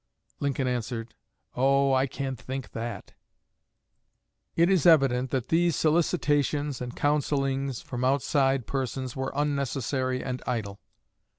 Lincoln answered, "Oh, I can't think that." It is evident that these solicitations and counsellings from outside persons were unnecessary and idle.